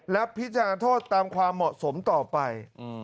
และพิจารณาโทษตามความเหมาะสมต่อไป